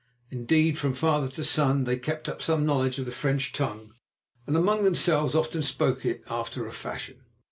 Indeed, from father to son, they kept up some knowledge of the French tongue, and among themselves often spoke it after a fashion.